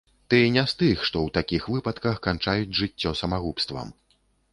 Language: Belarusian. Ты не з тых, што ў такіх выпадках канчаюць жыццё самагубствам.